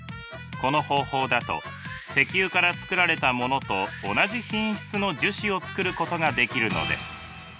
この方法だと石油から作られたものと同じ品質の樹脂を作ることができるのです。